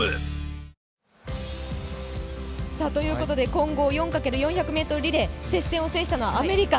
混合４×４００ｍリレー接戦を制したのはアメリカ。